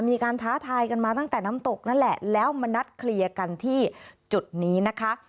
ท้าทายกันมาตั้งแต่น้ำตกนั่นแหละแล้วมานัดเคลียร์กันที่จุดนี้นะคะ